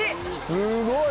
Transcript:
すごい！